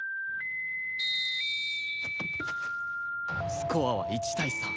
スコアは１対３